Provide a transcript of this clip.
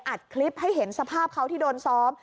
อัดคลิปให้เห็นสภาพเขาที่โดนซ้อม